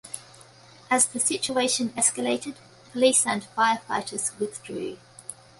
As the situation escalated, police and firefighters withdrew.